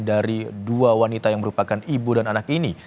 dari dua wanita yang merupakan ibu dan anak ini